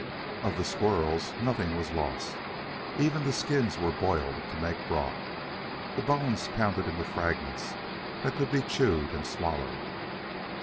Of the squirrels, nothing was lost. Even the skins were boiled to make broth, the bones pounded into fragments that could be chewed and swallowed.